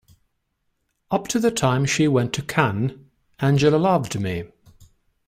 Up to the time she went to Cannes Angela loved me.